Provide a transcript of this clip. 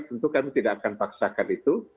tentu kami tidak akan paksakan itu